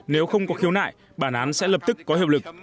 nếu không có khiếu nại bản án sẽ lập tức có hiệu lực